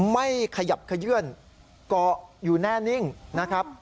ไม่ขยับขยื่นเกาะอยู่แน่นิ่งนะครับ